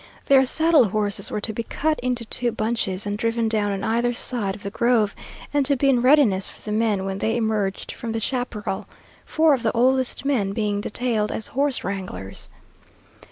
Their saddle horses were to be cut into two bunches and driven down on either side of the grove, and to be in readiness for the men when they emerged from the chaparral, four of the oldest men being detailed as horse wranglers.